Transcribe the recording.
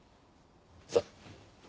さあ。